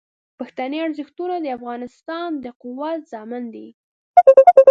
پښتني ارزښتونه د افغانستان د قوت ضامن دي.